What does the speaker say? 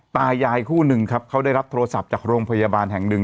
ตายายคู่หนึ่งครับเขาได้รับโทรศัพท์จากโรงพยาบาลแห่งหนึ่ง